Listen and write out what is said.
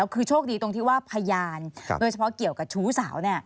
คือโชคดีตรงที่ว่าพยานโดยเฉพาะเกี่ยวกับชู้สาว